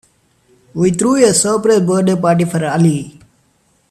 We threw a surprise birthday party for Ali.